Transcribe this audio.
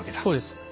そうです。